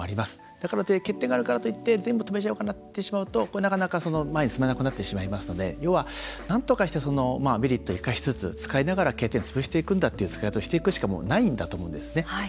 だからとはいえ欠点があるからといって全部、止めてしまうとなるとこれ、なかなか前に進めなくなってしまいますので要は、なんとかしてメリットを生かしつつ使いながら欠点をつぶしていくという使い方をしていくしかないんですね。